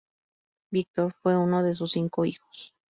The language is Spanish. Viktor fue uno de sus cinco hijos.